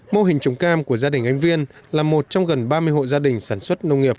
mô hình trồng cam của gia đình anh viên là một trong gần ba mươi hộ gia đình sản xuất nông nghiệp